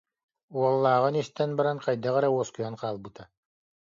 Уоллааҕын истэн баран хайдах эрэ уоскуйан хаалбыта